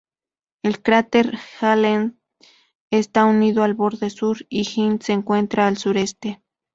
El cráter Halley está unido al borde sur, y Hind se encuentra al sureste.